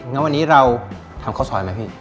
งั้นวันนี้เราทำข้าวซอยไหมพี่